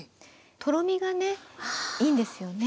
とろみがねいいんですよね。